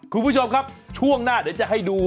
คุณผู้ชมครับช่วงหน้าเดี๋ยวจะให้ดู